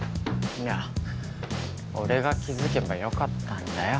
いや俺が気づけばよかったんだよ。